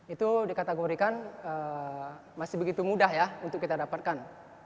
itu dikategorikan masih begitu mudah ya untuk kita dapatkan